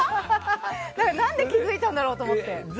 何で気づいたんだろうと思って。